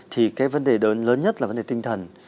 thì cái vấn đề lớn nhất là vấn đề tinh thần